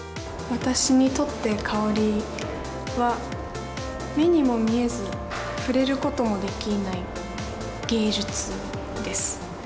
私にとって香りは、目にも見えず、触れることもできない芸術です。